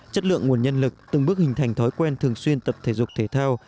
chất lượng nguồn nhân lực từng bước hình thành thói quen thường xuyên tập thể dục thể thao